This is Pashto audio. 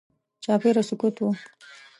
چاپېره سکوت و.